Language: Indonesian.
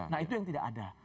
nah itu yang tidak ada